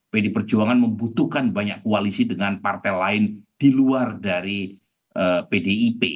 pdi perjuangan membutuhkan banyak koalisi dengan partai lain di luar dari pdip